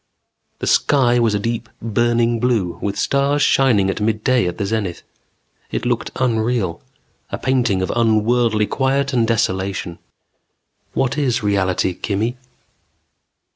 The sky was a deep, burning blue with stars shining at midday at the zenith. It looked unreal, a painting of unworldly quiet and desolation. _What is reality, Kimmy?